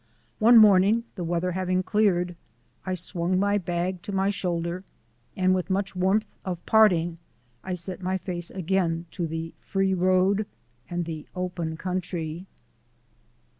One morning, the weather having cleared, I swung my bag to my shoulder, and with much warmth of parting I set my face again to the free road and the open country.